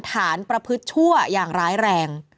ประพฤติชั่วอย่างร้ายแรง